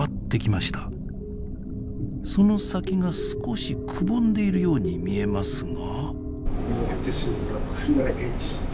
その先が少しくぼんでいるように見えますが。